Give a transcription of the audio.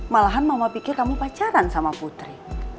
malahan mama pikir kamu pacaran sama putri